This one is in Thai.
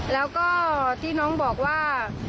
แล้วก็ที่น้องบอกว่า